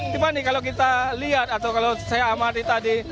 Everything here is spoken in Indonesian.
tiffany kalau kita lihat atau kalau saya amati tadi